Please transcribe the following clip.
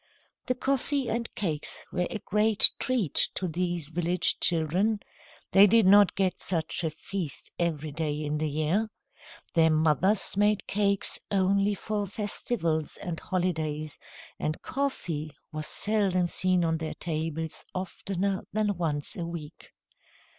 The coffee and cakes were a great treat to these village children. They did not get such a feast every day in the year. Their mothers made cakes only for festivals and holidays, and coffee was seldom seen on their tables oftener than once a week.